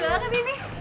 lucu banget ini